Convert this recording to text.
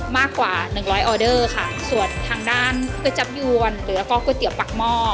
มากกว่าหนึ่งร้อยออเดอร์ค่ะส่วนทางด้านก๋วยจับยวนหรือแล้วก็ก๋วยเตี๋ยวปากหม้อ